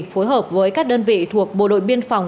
phối hợp với các đơn vị thuộc bộ đội biên phòng